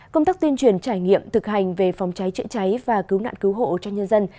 công tác tuyên truyền trải nghiệm thực hành về phòng cháy chữa cháy và cứu nạn cứu hộ cho nhân dân